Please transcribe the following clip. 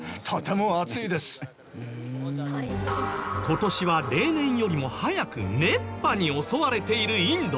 今年は例年よりも早く熱波に襲われているインド。